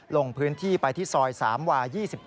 ลงพื้นที่ไปที่ซอย๓วา๒๗